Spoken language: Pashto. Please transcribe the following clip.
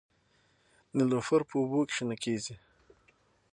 نیلوفر په اوبو کې شنه کیږي